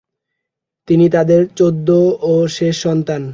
তিনি তাদের চৌদ্দ ও শেষ সন্তান।